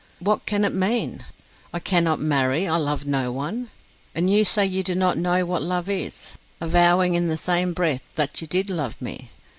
What can it mean? 'I cannot marry: I love no one.' And you say you do not know what love is avowing in the same breath that you did love me!